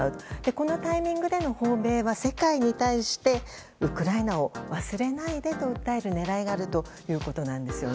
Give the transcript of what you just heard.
このタイミングでの訪米は世界に対してウクライナを忘れないでと訴える狙いがあるということです。